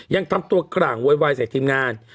ยังทำตัวกลางโวยวายใส่ทีมงาน